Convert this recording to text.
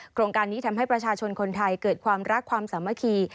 โครงการนี้ทำให้ประชาชนคนไทยเกิดความรักความสามัคคี